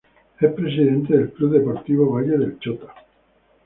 Es presidente del Club Deportivo Valle del Chota.